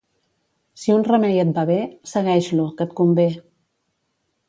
Si un remei et va bé, segueix-lo, que et convé.